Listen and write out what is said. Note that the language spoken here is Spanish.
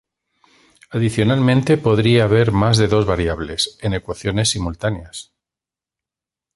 Adicionalmente podría haber más de dos variables, en ecuaciones simultáneas.